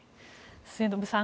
末延さん